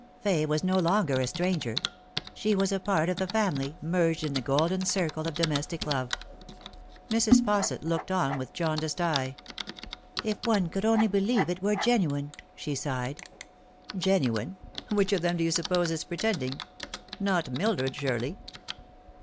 Fay was no longer a stranger. She was a part of the family, merged in the golden circle of domestic love. Mrs. Fausset looked on with jaundiced eye. " If one could only believe it were genuine !" she sighed. " Genuine ! which of them do you suppose is pretending ? Not Mildred, surely